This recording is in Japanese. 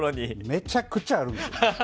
めちゃくちゃあるんですよ。